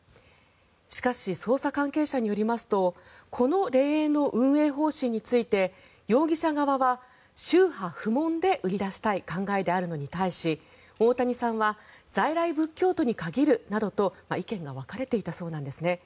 しかし、捜査関係者によりますとこの霊園の運営方針について容疑者側は宗派不問で売り出したい考えであるのに対し大谷さんは在来仏教徒に限るなどと意見が分かれていたそうなんですね。